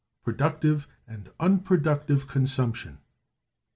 Productive and Unproductive Consumption.